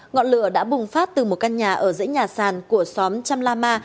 ngọn lửa đã bùng phát từ một căn nhà ở dãy nhà sàn của xóm trăm la ma